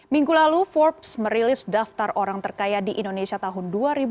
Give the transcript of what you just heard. minggu lalu forbes merilis daftar orang terkaya di indonesia tahun dua ribu dua puluh